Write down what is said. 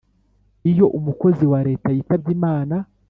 iyo umukozi wa leta yitabye imana,